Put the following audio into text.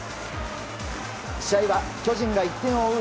試合は巨人が１点を追う